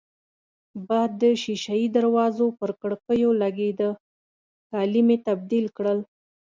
باد د شېشه يي دروازو پر کړکېو لګېده، کالي مې تبدیل کړل.